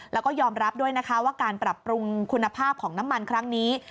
แล้วก็ยอมรับด้วยนะคะว่าการปรับปรุงคุณภาพของน้ำมันครั้งนี้